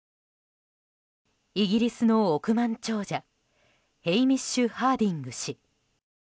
イギリスの億万長者ヘイミッシュ・ハーディング氏。